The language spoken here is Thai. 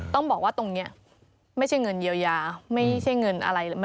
ต้องบอกว่าตรงนี้ไม่ใช่เงินเยียวยาไม่ใช่เงินอะไร